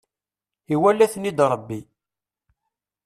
Iwala-ten-id Rebbi.